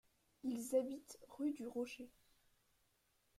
Ils habitent rue du Rocher.